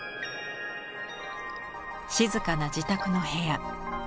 静かな自宅の部屋。